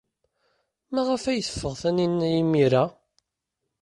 Maɣef ara teffeɣ Taninna imir-a?